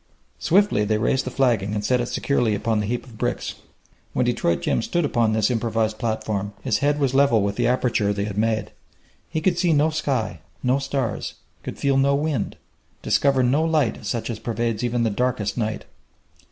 Swiftly they raised the flagging and set it securely upon the heap of bricks. When Detroit Jim stood upon this improvised platform his head was level with the aperture they had made. He could see no sky, no stars, could feel no wind, discover no light such as pervades even the darkest night.